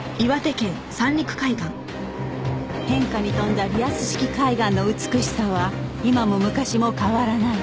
変化に富んだリアス式海岸の美しさは今も昔も変わらない